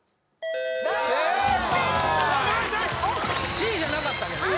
Ｃじゃなかったね